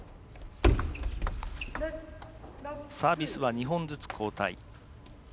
サービスは２本ずつ交代。